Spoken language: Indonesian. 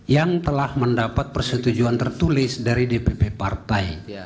yang telah mendapat persetujuan tertulis dari dpp partai